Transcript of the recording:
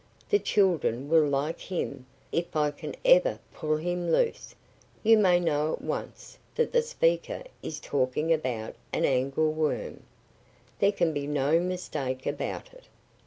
The children will like him, if I can ever pull him loose!" you may know at once that the speaker is talking about an angleworm. There can be no mistake about it.